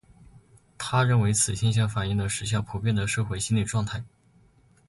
他认为此现象反映了时下普遍的社会心理状态。